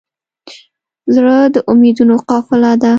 زړه د امیدونو قافله ده.